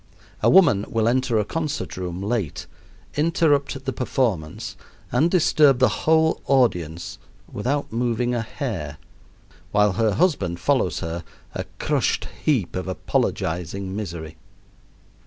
A woman will enter a concert room late, interrupt the performance, and disturb the whole audience without moving a hair, while her husband follows her, a crushed heap of apologizing misery.